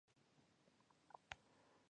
د افغانستان والیبال ټیم پرمختګ کوي